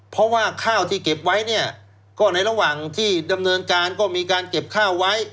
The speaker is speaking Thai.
เพราะว่าข้าวที่เก็บไว้เนี่ยก็ในระหว่างที่ดำเนินการก็มีการเก็บข้าวไว้